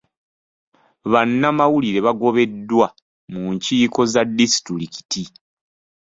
Bannamawulire bagobeddwa mu nkiiko za disitulikiti.